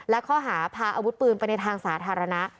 และข้อหาพาอาวุธปืนไปในทางสาธารณะ